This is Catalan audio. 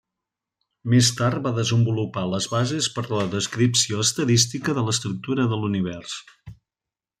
Més tard va desenvolupar les bases per a la descripció estadística de l'estructura de l'univers.